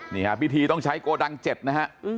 นี่ค่ะพิธีต้องใช้โกดัง๗นะฮะ